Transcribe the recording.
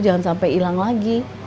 jangan sampai hilang lagi